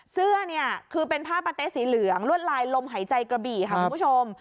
เสื้อเนี่ยคือเป็นผ้าปะเต๊ะสีเหลืองลวดลายลมหายใจกระบี่ค่ะคุณผู้ชม